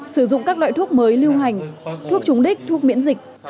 sử dụng các loại thuốc mới lưu hành thuốc chống đích thuốc miễn dịch